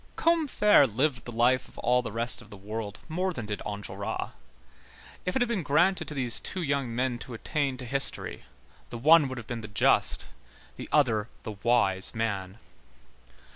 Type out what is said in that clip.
Combeferre lived the life of all the rest of the world more than did Enjolras. If it had been granted to these two young men to attain to history, the one would have been the just, the other the wise man.